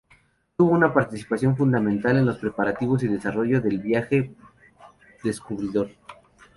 Tuvo una participación fundamental en los preparativos y desarrollo del viaje descubridor.